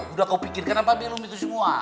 udah kau pikirkan apa bapak yang lo minta semua